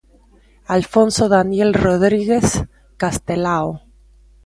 Alfonso Daniel Rodríguez Castelao.